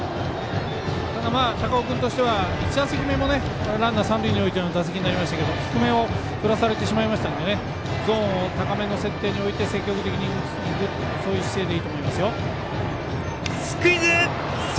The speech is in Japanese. ただ、高尾君としては１打席目もランナー三塁に置いての打席でしたけど低めを振らされてしまいましたのでゾーンを高めの設定に置いて積極的に打ちにいく姿勢でいいと思います。